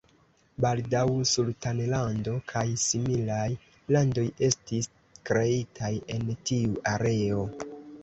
Baldaŭ sultanlando kaj similaj landoj estis kreitaj en tiu areo.